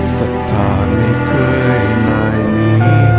สัทธาไม่เคยนายมี